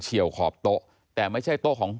ี่ยวขอบโต๊ะแต่ไม่ใช่โต๊ะของ